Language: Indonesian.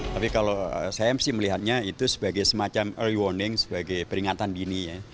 tapi kalau saya sih melihatnya itu sebagai semacam ear warning sebagai peringatan dini ya